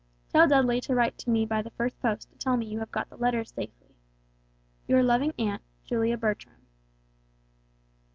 Tell Dudley to write to me by the first post to tell me you have got the letters safely. "Your loving aunt, "JULIA BERTRAM."